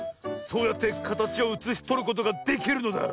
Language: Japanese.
そうやってかたちをうつしとることができるのだ。